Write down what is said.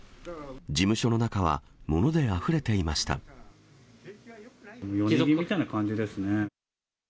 事務所の中は物であふれていまし夜逃げみたいな感じですね。